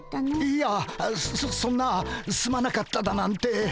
いやそそんなすまなかっただなんて。